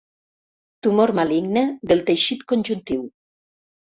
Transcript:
Tumor maligne del teixit conjuntiu.